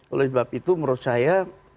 oleh sebab itu menurut saya